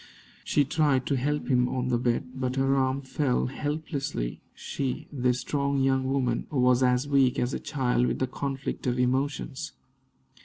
She tried to help him up on the bed, but her arms fell helplessly she, this strong young woman, was as weak as a child with the conflict of emotions.